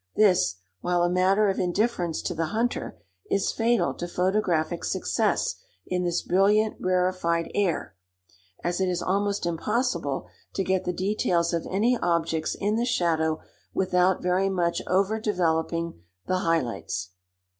This, while a matter of indifference to the hunter, is fatal to photographic success in this brilliant rarefied air, as it is almost impossible to get the details of any objects in the shadow without very much over developing the high lights.